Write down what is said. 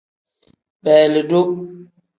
Beelidu.